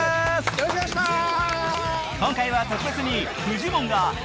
よろしくお願いします！